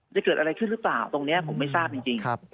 จะเกิดอะไรขึ้นหรือเปล่าตรงนี้ผมไม่ทราบจริง